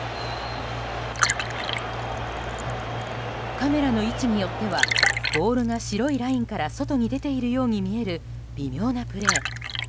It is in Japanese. カメラの位置によってはボールが白いラインから外に出ているように見える微妙なプレー。